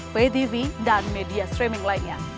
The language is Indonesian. vtv dan media streaming lainnya